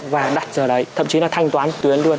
và đặt giờ đấy thậm chí là thanh toán tuyến luôn